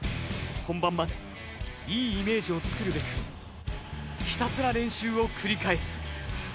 本番までいいイメージをつくるべくひたすら練習を繰り返す。